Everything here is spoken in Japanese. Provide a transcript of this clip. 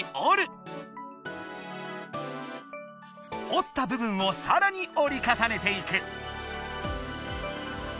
おった部分をさらにおり重ねていく。